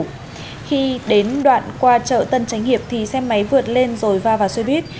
khi đến đoạn qua chợ tân tránh hiệp thì xe máy vượt lên rồi va vào xe buýt